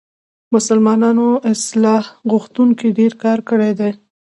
مسلمانو اصلاح غوښتونکو ډېر کار کړی دی.